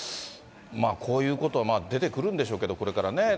こういうことは、出てくるんでしょうけれども、これからね。